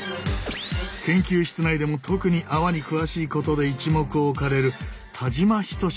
研究室内でも特に泡に詳しいことで一目置かれる田島準さんだ。